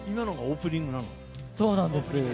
そうなんです。